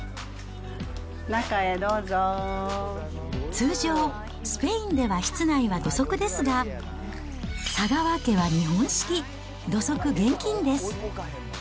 通常、スペインでは室内は土足ですが、佐川家は日本式、土足厳禁です。